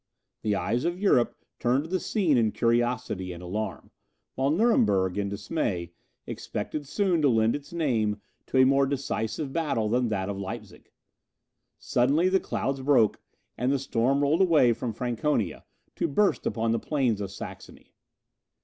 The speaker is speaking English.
The eyes of Europe turned to the scene in curiosity and alarm, while Nuremberg, in dismay, expected soon to lend its name to a more decisive battle than that of Leipzig. Suddenly the clouds broke, and the storm rolled away from Franconia, to burst upon the plains of Saxony.